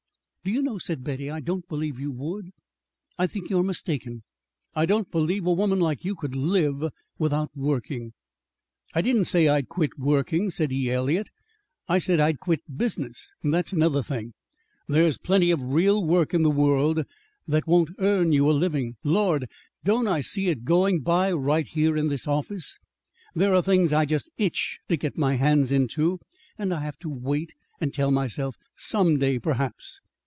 "Do you know," said Betty, "I don't believe you would. I think you're mistaken. I don't believe a woman like you could live without working." "I didn't say I'd quit working," said E. Eliot. "I said I'd quit business. That's another thing. There's plenty of real work in the world that won't earn you a living. Lord! Don't I see it going by right here in this office! There are things I just itch to get my hands into, and I have to wait and tell myself 'some day, perhaps!'